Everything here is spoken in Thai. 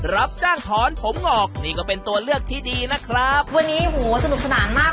รับจ้างถอนผมงอกนี่ก็เป็นตัวเลือกที่ดีนะครับวันนี้โหสนุกสนานมาก